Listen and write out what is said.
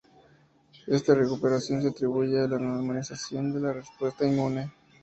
Esta recuperación se atribuye a la normalización de la respuesta inmune.